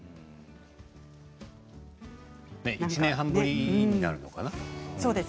１年半ぶりになるのかな。